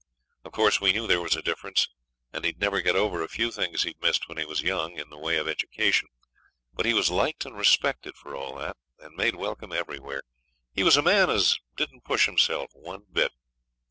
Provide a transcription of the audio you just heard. Of course we knew there was a difference, and he'd never get over a few things he'd missed when he was young, in the way of education. But he was liked and respected for all that, and made welcome everywhere. He was a man as didn't push himself one bit.